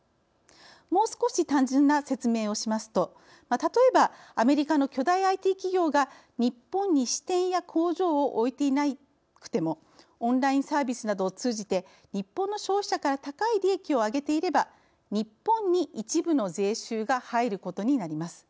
もう少し単純な説明をしますと例えばアメリカの巨大ＩＴ企業が日本に支店や工場を置いていなくてもオンラインサービスなどを通じて日本の消費者から高い利益をあげていれば日本に一部の税収が入ることになります。